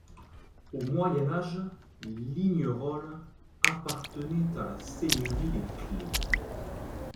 Au Moyen Âge, Lignerolle appartenait à la seigneurie des Clées.